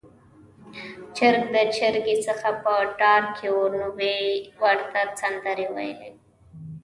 چرګ د چرګې څخه په ډار کې و، نو يې ورته سندرې وويلې